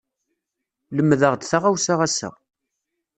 Lemdeɣ-d taɣawsa ass-a.